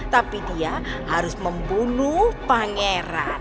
tapi dia harus membunuh pangeran